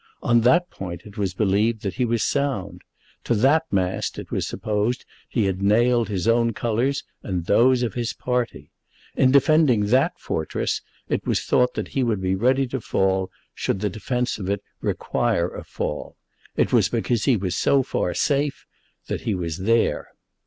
On that point it was believed that he was sound. To that mast it was supposed he had nailed his own colours and those of his party. In defending that fortress it was thought that he would be ready to fall, should the defence of it require a fall. It was because he was so far safe that he was there.